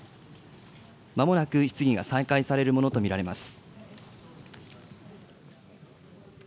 まもなく質疑が再開されるものと見られます。